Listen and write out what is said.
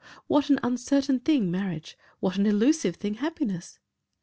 What an uncertain thing marriage, what an elusive thing happiness!